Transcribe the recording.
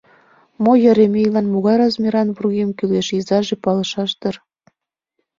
Мо, Еремейлан могай размеран вургем кӱлеш, изаже палышаш дыр...